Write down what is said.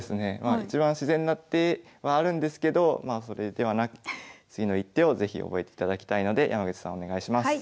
一番自然な手はあるんですけどそれではなく次の一手を是非覚えていただきたいので山口さんお願いします。